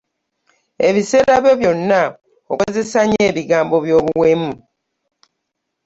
Ebiseera byo byona okozesa nnyo ebigambo by'obuwemu.